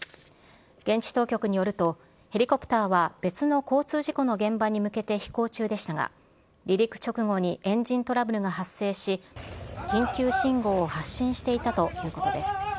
現地当局によると、ヘリコプターは別の交通事故の現場に向けて飛行中でしたが、離陸直後にエンジントラブルが発生し、緊急信号を発信していたということです。